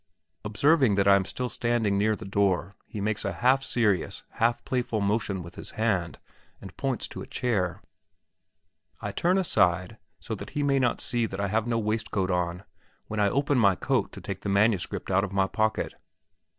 Observing that I am still standing near the door, he makes a half serious, half playful motion with his hand, and points to a chair. I turn aside, so that he may not see that I have no waistcoat on, when I open my coat to take the manuscript out of my pocket.